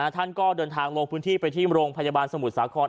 ท่านก็เดินทางลงพื้นที่ไปที่โรงพยาบาลสมุทรสาคร